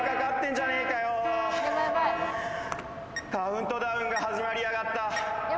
カウントダウンが始まりやがった。